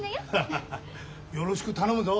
ハハハよろしく頼むぞ。